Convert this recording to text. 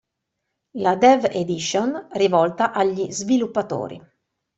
La Dev Edition, rivolta agli sviluppatori.